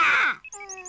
うん。